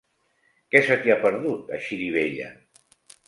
Què se t'hi ha perdut, a Xirivella?